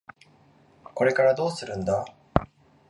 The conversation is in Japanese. これからどうするんだ？